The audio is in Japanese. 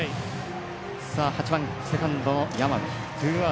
８番セカンドの山見。